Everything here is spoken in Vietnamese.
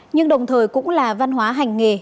nhưng đồng thời cũng là văn hóa hành nghề